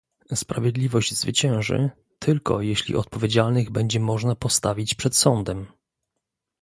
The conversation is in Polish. Sprawiedliwość zwycięży, tylko jeśli odpowiedzialnych będzie można postawić przed sądem